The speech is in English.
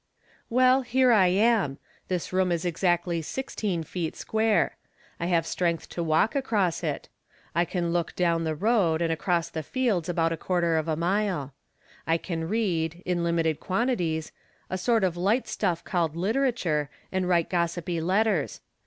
Well, here I am ! This room is exactly sixteen From Different Standpoints. 49 feet square. I have strength to walk across it. I can look down the road and across the fields about a quarter of a mile. I can read, in limited quantities, a sort of light stuff called literature, and write gossipy letters.